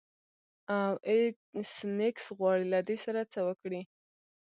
او ایس میکس غواړي له دې سره څه وکړي